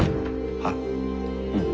ああうん。